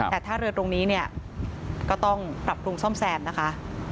แต่ถ้าเรือตรงนี้เนี่ยก็ต้องปรับปรุงซ่อมแซมนะคะ